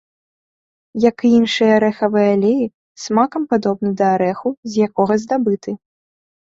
Як і іншыя арэхавыя алеі, смакам падобны да арэху, з якога здабыты.